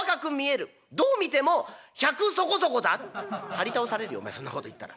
「はり倒されるよお前そんなこと言ったら。